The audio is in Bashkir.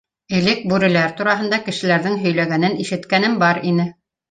Элек бүреләр тураһында кешеләрҙең һөйләгәнен ишеткәнем бар ине.